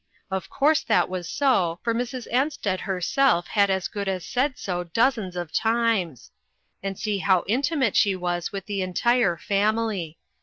Of course that was so, for Mrs. Ansted herself had as good as said so dozens of times; and see how intimate she was with the entire family.